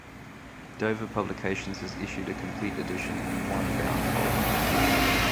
Dover Publications has issued a complete edition in one bound volume.